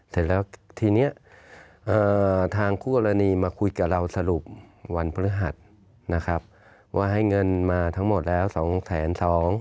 เสร็จแล้วทีนี้ทางคู่กรณีมาคุยกับเราสรุปวันพฤหัสนะครับว่าให้เงินมาทั้งหมดแล้ว๒๒๐๐บาท